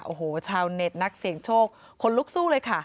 โอ้โหชาวเน็ตนักเสี่ยงโชคคนลุกสู้เลยค่ะ